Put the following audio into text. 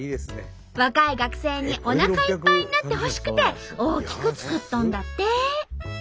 若い学生におなかいっぱいになってほしくて大きく作っとんだって！